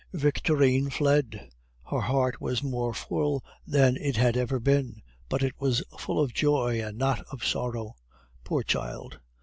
Victorine fled. Her heart was more full than it had ever been, but it was full of joy, and not of sorrow. Poor child!